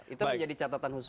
itu menjadi catatan khusus